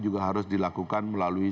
juga harus dilakukan melalui